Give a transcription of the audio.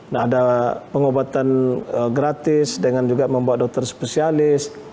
nah ada pengobatan gratis dengan juga membawa dokter spesialis